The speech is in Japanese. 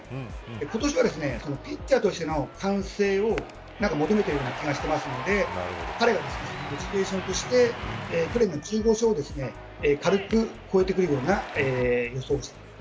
今年はピッチャーとしての完成を求めているような気がしているので彼のモチベーションとして去年の１５勝を軽く超えてくるような予想です。